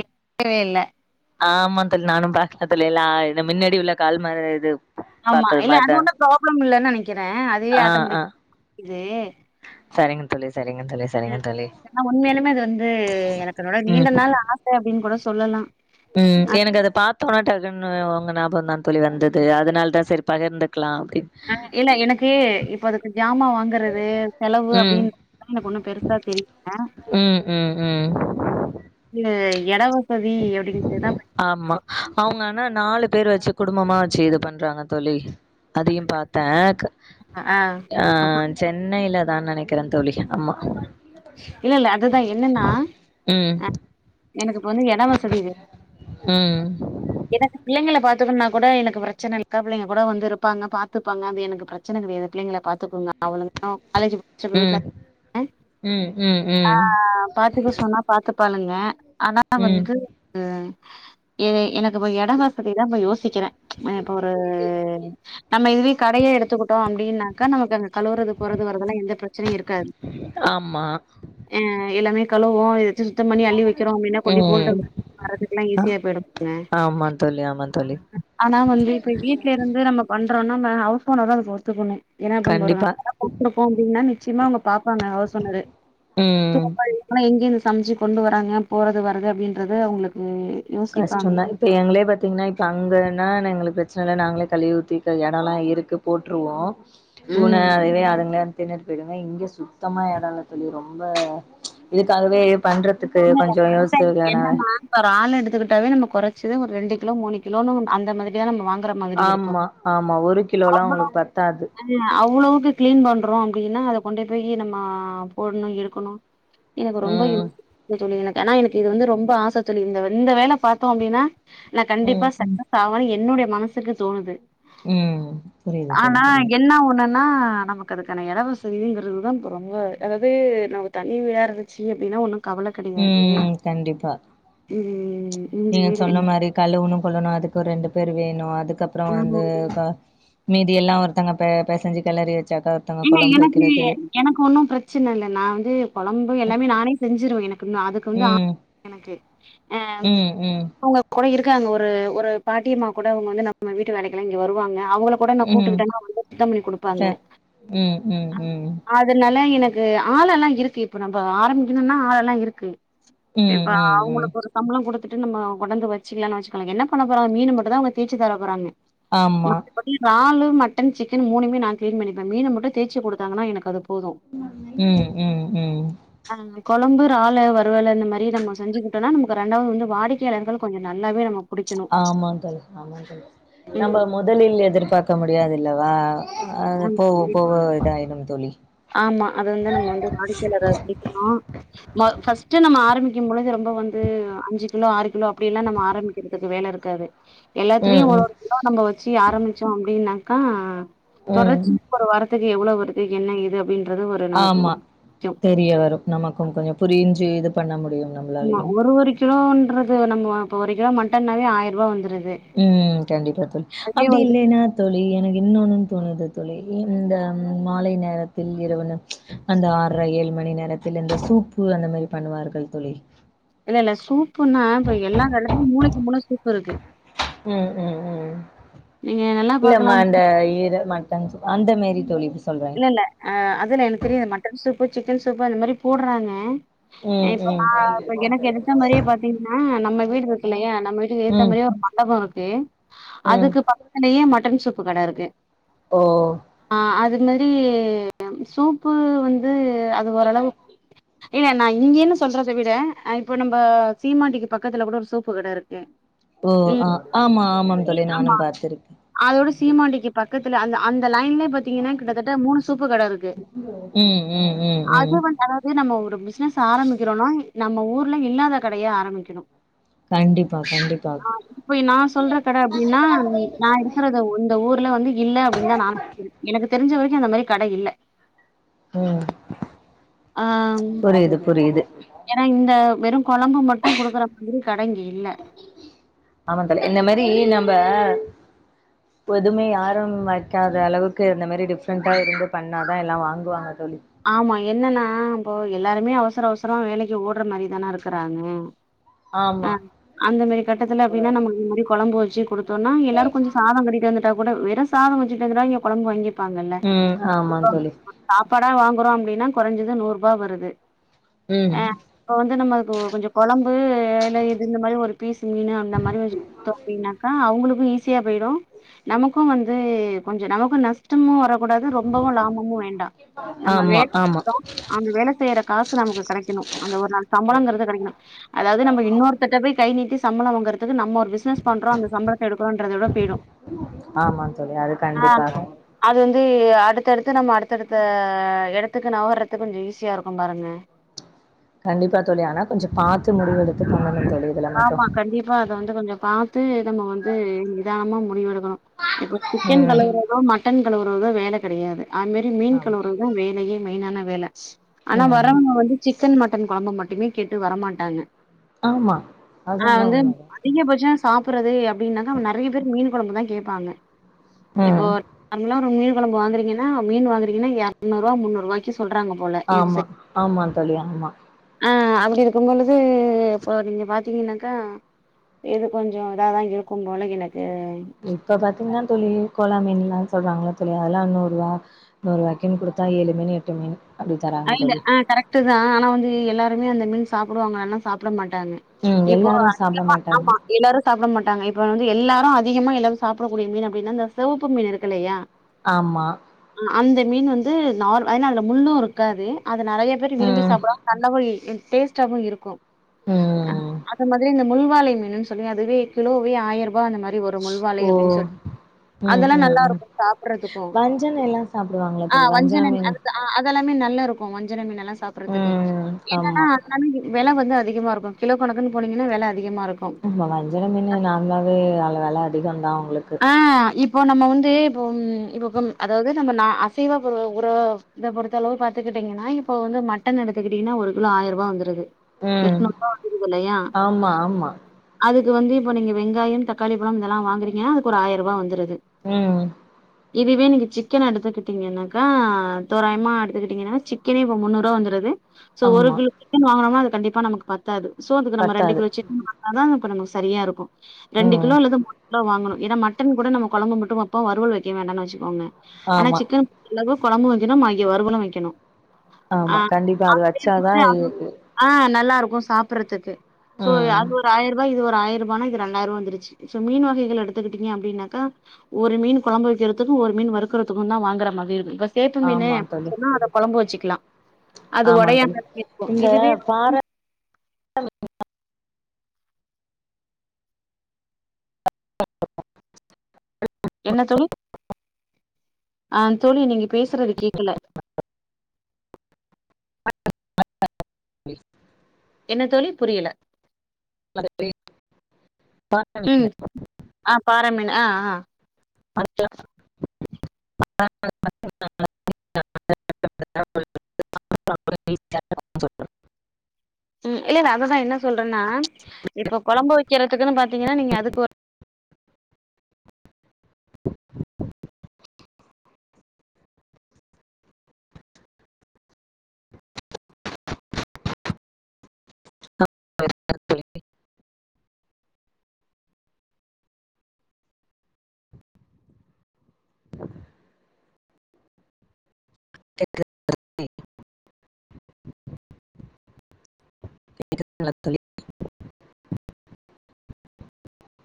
இப்பவேல்ல ஆமா த நானு பாத்தரதில எல்லா இந்த முன்னடி உள்ள கால்ம இது ஆமா பாத்தது இல்ல அது மாரிதா ஒன்னு ப்ராப்ளம் இல்லன்னு நெனைக்கிறே அதுவே ஆ ஆ ஆட்டோமெட்டிகிது சரிங்க தோழி சரிங்க தோழி சரிங்க ம் தோழி ஏன்னா உண்மையாலுமே அது வந்து எனக்கு எனோட ம் நீண்ட நாள் ஆச அப்டின்னு கூட சொல்லலா ம் எனக்கு அத பாத்தோனா டக்குனு உங்க ஞாபகம் தா தோழி வந்தது அதனால தா சரி பகிர்ந்துக்கலா அப்டின்னு ஆ இல்ல எனக்கு இப்ப அதுக்கு ஜாமா வாங்குறது செலவு ம் அப்டின்னு எனக்கு ஒண்ணு பெருசா தெரில ம் ம் ம் ம் இது இடவசதி அப்டிடுதா ஆமா அவங்க ஆனா நாலு பேர் வச்சு குடும்பமா வச்சு இது பண்றாங்க தோழி அதையு பாத்தே க ஆ அப்ப சென்னைல தா நெனைக்கறே தோழி ஆமா இல்ல இல்ல அதுதா என்னன்னா ம் எனக்கு இப்ப வந்து எனக் எடவசதி வேணு ம் எனக்கு பிள்ளைங்கள பாத்துக்கனுணா கூட எனக்கு பிரச்சனை இல்ல அக்கா பிள்ளைங்க கூட வந்து இருப்பாங்க பாத்துப்பாங்க அது எனக்கு பிரச்ச பிரச்சனை கிடையாது பிள்ளைங்கள பாத்தத்துக்கோங்க அவளுங்க காலேஜ் முடிச்சப் வீட்ல ம் ம் ம் ஆ ம் பாத்துக்க சொன்னா பாத்து பாளுங்க ஆனா ம் வந்து ம் எனக்கு இப்ப எடவசதிதா இப்ப யோ சிக்கறே இப்போ ஒரு நம்ம இதுவே கடையா எடுத்துக்கிட்டோ அப்டின்னாக்கா நமக்கு அந்த கழுவுறது போறது வரதெல்லா எந்த பிரச்சையு இருக்காது ஆமா ஆ எல்லாமே கழுவோ சுத்தம் பண்ணி அள்ளி வைக்கிறோ அப்டின்னா கொண்டு போ ம் வரறதுக்குல்லா அ ஈஸியா போயிடுங்க ஆமா தோழி ஆமா தோழி ஆனா வந்து இப்ப வீட்ல இருந்து நம்ம பண்றோம்னா நம்ம ஹவுஸ் ஓனர்தா அது ஒத்துக்கணு என்ன பண்ண கண்டிப்பா போறங்கல்ல கொடுத்துருப்போ அப்டின்னா நிச்சயமா அவங்க பாப்பாங்க ஹவுஸ் ஓனரு ம் ஆனா எங்கே இந்த சமைச்சு கொண்டு வராங்க போறது வருது அப்டின்றது அவங்ளுக்கு கஷ்டதே இப்போ எங்களே பாத்திங்கனா இப்போ அங்கேனா எங்ளுக்கு பிரச்சனை இல்ல நாங்களே கழுவி ஊத்திட்டு இடம்லா இருக்கு போட்டுருவோ ம் பூனை அதுவே அதுங்கள வந்திண் ணட்டு போடுங்க இங்க சுத்தமா இடம்ல சொல்லி ரொம்ப இதுக்காகவே பண்றதுக்கு கொஞ்ச யோசித் தேவையான ஒரு ஆள் எடுத்துக்கிட்டாவே நம்ம குறைச்சது ஒரு ரெண்டு கிலோ மூணு கிலோன்னு அந்த மாரி வேல நம்ம வாங்கற மாதிரி இருக்கு ஆமா ஆமா ஒரு கிலோல்லா உங்களுக்கு பத்தாது அவ்வளவுக்கு கிளீன் பண்றோ அப்டின்னா அதை கொண்டு போயி நம்ம போடணு எடுக்கணு எனக்கு ரொம்ப ம் யூஸ் புல் தோழி எனக்கு ஆனா எனக்கு இது வந்து ரொம்ப ஆசை தோழி இந்த இந்த வேலை பாத்தோ அப்டின்னா நா கண்டிப்பா ம் செத்தா சாவே என்னுடைய மனசுக்கு தோணுது ம் புரியுது தோழி ஆனா புரியுது என்ன ஒண்ணுன்னா நமக்கு அதுக்கான எடவசதி இல்லங்குறது தா இப்ப ரொம்ப அதாவது நம்ம தனி வீடா இருந்துச்சு அப்டினா ஒன்னு கவல கடையாது ம் கண்டிப்பா ம் இஞ்சி நீங்க வீடு சொன்ன மாரி கழுவுன்னு கொள்ளணு அதுக்கு ரெண்டு பேர் வேணு அதுக்கப்புற ம் வந்து ப மீதியெல்லா ஒருத்தாங்க பேசஞ்சி கெளறி வச்சாக்கா ஒருத்தங்க ஏங்க கொழம்பு எனக்கு வைக்கிறது எனக்கு ஒன்னு பிரச்சன இல்ல நா வந்து கொழம்பு எல்லாமே நானே செஞ்சிருவே எனக்குமே அதுக்கு வந்து ம் [inaudible] எனக்கு [inaudible] ம் ம் கொட இருக்கறாங்க ஒரு ஒரு பாட்டியம்மா கூட அவுங்க வந்து நம்ம வீட்டு வேலைக்கெல்லா இங்க வருவாங்க அவங்கள கூட நான் ம் கூப்புட்டுக்கிட்டேனா அவுங்க வந்து சுத்தம் பண்ணி ட குடுப்பாங்க ம் ம் ம் அதனால்ல எனக்கு ஆளல்லா இருக்கு இப்போ நம்ம ஆரம்பிக்குணுன்னா ஆளெல்லா இருக்கு ம் இப்ப ம் ம் அவங்களுக்கொரு சம்பளோ குடுத்துட்டு நம்ம கொண்டாந்து வச்சிக்கலாற்னு வச்சுக்கோங்களே என்ன பண்ண போறாங்க மீனு மட்டு தா அவங்க தேச்சு தர போறாங்க ஆமா மத்தபடி ராலு மட்டன் சிக்கன் மூணுமே நா கிளீன் பண்ணி அந்த மீன மட்டும் தேச்சு குடுத்தாங்கன்னா எனக்கு அது போது ம் ம் ம் [inaudible] கொழம்பு ராலு வறுவல் இந்த மாரி நம்ம செஞ்சிக்கிட்டோன்னா நமக்கு ரெண்டாவது வந்து வாடிக்கையாளர்கள் கொஞ்சோ நல்லாவே நம்மக் ஆமாங் தோழி ஆமானங் தோழி நம்ம ம் மொதலில் எதிர்பார்க்க முடியாதுயில்லவா அ ஆமா போவோ கண்டிப்பா போவோ இதாயிடும் தோழி ஆமா அத வந்து நம்மோ வந்து வாடிக்கையாளறே சந்திக்கணு ம ஃபர்ஸ்ட்டு நம்ம ஆரம்பிக்கும் பொழுது ரொம்ப வந்து அஞ்சு கிலோ ஆறு கிலோ அப்டியெல்லா நம்ம ஆரம்பிக்க கறத்துக்கு வேலருக்காது எல்லாத்திலையு ம் ஒரு ம் ஒரு கிலோ நம்ம வச்சு ஆரம்பிச்சோ அப்டினாக்கா ம் தொடர்ச்சி கொரு வாரத்துக்கு எவ்ளோவு வருது என்ன ஏது அப்டின் ஆமா தெரிய வரும் நமக்கு கொஞ்சோ புரிஞ்சு இது பண்ண முடியு ஆமா ஒரு ஒரு கிலோன்றது நம்ம இப்ப ஒரு கிலோ மட்டன்னாவே ஆயிரூபாய் வந்துருது ம் கண்டிப்பா தோழி அதுவே அப்டி வந்து இல்லேன்னா தோழி எனக்கு இன்னொன்னு தோணுது தோழி இந்த மால நேரத்தில் [unintelligible] அந்த ஆர்ற ஏழு மணி நேரத்தில் இந்த சூப்பு அந்த மாரி பண்ணுவார்கள் தோழி இல்ல இல்ல சூப்புன்னா இப்ப எல்லாதடத்திலேயு மூளைக்கு மூள சூப்புருக்கு ம் ம் ம் நீங்க நல்லா இல்ல மா பாக்கலாம் அந்த இரவ் மா தஞ்சு அந்த மேரி தோழி சொல்றே இல்லேல்ல ஆ அதுல எனக்கு தெரியாது மட்டன் சூப்பு சிக்கன் சூப்பு அந்த மாரி போடுறாங்க ம் இப்ப ம். மா இப்ப எனக்கு எதுத்தா மாரி பாத்தீங்கன்னா நம்ம வீடுருக்குல்லையா நம்ம வீட்டுக்கு எதுத்தா ம். மாரியே ஒரு [unintelligible] ம். அதுக்கு பக்கத்துலேயே மட்டன் சூப்பு கடருக்கு ஓ ஆ அது மேரி சூப்பு வந்து அது ஓரளவுக் இல்ல நா இங்கேன்னு சொல்றத விட அ இப்ப நம்ம சீமாண்டிக்கு பக்கத்துல கூட ஒரு சூப்பு கடருக்கே ம் ஓ ஆ ஆமா ஆமாங் தோழி நானும் பாத்துருக்கே அதோட சீமாண்டிக்கு பக்கத்துல அந்த அந்த லைன்லயே பாத்தீங்கன்னா ட்டு மூணு சூப்பு கடருக்கு ம், ம், ம், ம். அது வந்து அதாது இதே நம்ம ஒரு பிஸ்னஸ் ஆரம்பிக்கிறோனா நம்ம ஊர்ல இல்லாத கடையா ஆரம்பிக்கணு கண்டிப்பா கண்டிப்பா ஆ இப்ப நா சொல்ற கட அப்டினா நா இருக் கறத இந்த ஊர்ல வந்து இல்ல அப்டின்னுதா நா நனைக்கிறேன் எனக்கு தெரிஞ்ச வரிக்கும் அந்தமாரி கட இல்ல ம் புரிது புரிது எனா இந்த வெறு கொழம்பு மட்டு குடுக்கறமாரி கட இங்க இல்ல ஆமா தோழி இந்தமாரி நம்ப [inaudible] இப்ப எதுமே யாரு வெக்காத அளவுக்கு இந்தமாரி டிஃப்ரெண்ட்டா எடுத்து பண்ணாதா எல்லா வாங்குவாங்க தோழி ஆமா என்னன்னா இப்போ எல்லாருமே அவசர அவசரமா வேலைக்கு ஓட்றமாரிதான இருக்கறாங்க ஆ ஆமா அந்தமாரி கட்டத்துல அப்டின்னா நம்ம ஒரு மூடி கொழம்பு வெச்சு குடு தோனா எல்லாரு கொஞ்ஜோ சாதோ கட்டிட்டு வந்துட்டாகூட வெறு சாதோ கொஞ்சோ இங்க குழம்பு வாங்கிப் பாங்கல்ல ம் ஆமா தோழி சாப்பாடா வாங்குறோ அப்டினா கொறஞ்சது நூறுபா வருது ஆ ம் இப்ப வந்து நம்ம இப்போ கொஞ்ஜோ கொழம்பு இல்ல இது இந்தமாரி ஒரு பீஸு மீனு அந்தமாரி வெச் டோ அப்டின்னாக்கா அவுங்குளுக்கு ஈஸியா போய்டு நமக்கு வந்து கொஞ்ஜோ நமக்கு நஷ்டமு வரக்கூடாது ரொம்பவு லாபமு வேண் நம்ம ஆமா வேல ஆமா செய்றோ அந்த வேல செய்யற காசு நமக்கு கடைக்கணு அந்த ஒரு நாள் சம்பளோங்கறது கடைக்கணு அதாவ்து நம்ம இன்னொருத்தர்ட்ட போய் கை நீட்டி சம்பளோ வாங்கறதுக்கு நம்ம ஒரு பிஸ் னஸ் பண்றோ அந்த சம்பளத்த எடுக்குறோன்றதவிட போய்ரு ஆமா தோழி அது ஆ கண்டிப்பாக அது வந்து அடுத்தடுத்து நம்ம அடுத்தடுத்த எடத்துக்கு நவுர்றது கொஞ்ஜோ ஈஸியா இருக்கு பாருங்க கண்டிப்பா தோழி ஆனா கொஞ்ஜோ பாத்து முடிவெடுத்து பண்ணணு தோழி இதுல மட்டு ஆமா கண்டிப்பா அத வந்து கொஞ்ஜோ பாத்து நம்ம வந்து நிதானமா முடிவெடுக்கணு இப்ப சிக்கன் ம் கழுவுறதோ மட்டன் கழுவுறதோ வேல கெடையாது அதுமாரி மீன் ஆமா கழுவுறதுதா வேலையே மெய்னான வேல ஆனா ம் வரவங்க வந்து சிக்கன் மட்டன் கொழம்பு மட்டுமே கேட்டு வர மாட்டாங்க ஆமா அது ஆ ஆனா வந்து உண்மதா அதிகபட்சோ சாப்பற்றது அப்டின்னாக்கா நறைய பேர் மீன் கொழம்புதா கேப்பாங்க இப்போ ம் நார்மலா ஒரு மீன் கொழம்பு வாங்குறீங்கன்னா மீன் வாங்குறீங்கன்னா இரநூரூவா முன்னூரூவா சொல்றாங்க போல இது செ ஆமா ஆமா தோழி ஆமா ஆ அதுல இருக்கும்பொழுது இப்போ நீங்க பாத்தீங்கன்னாக்கா இது கொஞ்ஜோ இதாதா இருக்கும்போல எனக்கு இப்ப பாத்தீங்கன்னா தோழி கோலா மீன்லா சொல்றாங்கள தோழி அதெல்லா நூருவா நூருவாய்கின் குடுத்தா எழுமீனு எட்டுமீனு ஆ இல்ல ஆ கரெக்ட்டுதா ஆனா வந்து எல்லாருமே அந்த மீன் சாப்புடுவாங்களானா சாப்பட மாட்டாங்க ம் இப்போ எல்லாரு சாப்ட அதிகமா மாட்டாங்க ஆமா எல்லாரு சாப்பட மாட்டாங்க இப்ப வந்து எல்லாரு அதிகமா எல்லாரு சாப்படக்கூடிய மீன் அப்டின்னா இந்த செவப்பு மீன் இருக்குல்லையா ஆமா ஆ அந்த மீன் வந்து நார் எனா அதுல முள்ளு இருக்காது அது நறைய பேர் விரும்பி ம் சாப்பட கன்னகுளி டேஸ்ட்டாவு இருக்கு ஆ ம் அதுமாதிரி நம் முல்வாலை மீனுன் சொல்லி அதுவே கிலோவே ஆயரூபா அந்தமாரி வரு முல்வாலை ஓ அப்டின் சொல் ம் அதெல்லா ம் ம் நல்லாருக்கு சாப்பட்றதுக்கு வஞ்சன எல்லா சாப்டுவாங்களா ஆ தோழி வஞ்சர வஞ்சன மீனு அதுதா ஆ அதெல்லாமே நல்லாருக்கு வஞ்சர மீன்லா சாப்பறதுக்கு ம் என்னன்னா ஆமா ஆனாலு இ வெல வந்து அதிகமா இருக்கு கிலோ கணக்குன் போனீங்கன்னா வெல அதிகமா இருக்கு ஆமா வஞ்சர மீனு நார்மலாவே அதுல வெல அதிகோதா உங்குளுக்கு ஆ இப்போ நம்ம வந்து இப்போ இப்ப அதாவ்து நம்ம நா அசைவ பொருள் ஒரு இத பொறுத்த அளவு பாத்துக்கிட்டீங்கன்னா இப்ப வந்து மட்டன் எடுத்துக்கிட்டீங்கன்னா ஒரு கிலோ ஆயரூபா வந்துருது ம் எட்நூறுபா வந்துருதில்லையா ஆமா ஆமா அதுக்கு வந்து இப்ப நீங்க வெங்காயம் தக்காளி பழம் இதெல்லா வாங்குறீங்கன்னா அதுக்கு ஒரு ஆயிரூபா வந்துருது ம் இதுவே நீங்க சிக்கன் எடுத்துக்கிட்டீங்கன்னாக்கா தோராயமா எடுத்துக்கிட்டீங்கன்னா சிக்கனே இப்ப முன்னூறுவா வந்துருது சோ ஒரு ஆமா கிலோ சிக்கன் வாங்கனோனா அது கண்டிப்பா நமக்கு பத்தாது சோ அதுக்கு நம்ம ரெண்டு பத்தாது கிலோ சிக்கன் வாங் அதா இப்ப நம சரியா இருக்கு ரெண்டு ம் கிலோ அல்லது மூணு கிலோ வாங்கணு ஏனா மட்டன் கூட நம்ம கொழம்பு மட்டு வப்போ வறுவல் வைக்க வேண்டான்னு வச்சுக்கோங்க ஆனா ஆமா சிக்கன் இல்லனா கொழம்பு வைக்கணு பாக்கி வருவலு வைக்கணு ஆ ஆமா கண்டிப்பா அது அதுவே வந்து வச்சாதா இ ஆ நல்லாருக்கு சாப்புறதுக்கு சோ ம் யாருக்குவே ஆயிரூபா இது ஒரு ஆயிரூபானா இது ரெண்யிரூபா வந்துருச்சு சோ மீன் வகைகள் எடுத் த்துகிட்டீங்க அப்டின்னாக்கா ஒரு மீன் கோழம்பு வைக்கிறதுக்கு ஒரு மீன் வறுக்கறதுக்கு தா வாங்குற மாதிரி இருக்கு பிகாஸ் சேப்பு மீனு ஆமா அப்டின்னு தோழி சொன்னா அத கொழம்பு வச்சிக்கலா அது ஆமா தோழி ஒடையாம அப்டியே இருக்கு இந்த இதுவே பாற [inaudible] என்ன தோழி ஆ தோழி நீங்க பேசுறது கேக்கல ப்ளீஸ் என்ன தோழி புரியல ம் [inaudible] ஆ பாற மீன் ஆ ஆ [inaudible] ம் இல்லல்ல அததா என்ன சொல்றன்னா இப்ப கொழம்பு வைக்கிறதுக்குன்னு பாத்தீங்கன்னா நீங்க அதுக்கு ஒரு [inaudible] [inaudible] [inaudible] தோழி